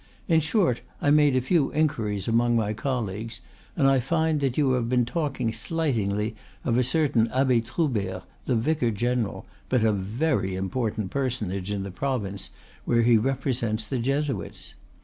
In short, I made a few inquiries among my colleagues, and I find that you have been talking slightingly of a certain Abbe Troubert, the vicar general, but a very important personage in the province, where he represents the Jesuits.